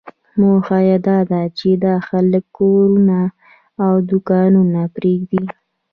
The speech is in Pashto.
موخه یې داده چې دا خلک کورونه او دوکانونه پرېږدي.